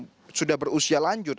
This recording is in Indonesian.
selimut itu juga akan terus berlangsung